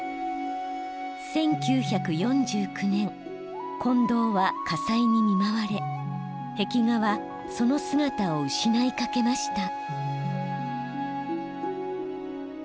１９４９年金堂は火災に見舞われ壁画はその姿を失いかけました。